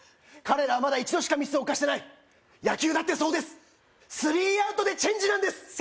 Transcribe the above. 彼らはまだ一度しかミスを犯してない野球だってそうですスリーアウトでチェンジなんです